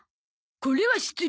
これは失礼。